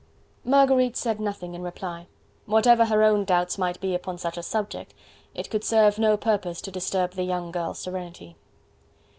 Marguerite said nothing in reply. Whatever her own doubts might be upon such a subject, it could serve no purpose to disturb the young girl's serenity.